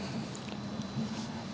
apakah abisan oksigen atau apa